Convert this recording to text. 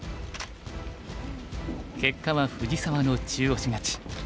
結果は藤沢の中押し勝ち。